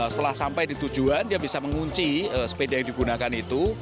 setelah sampai di tujuan dia bisa mengunci sepeda yang digunakan itu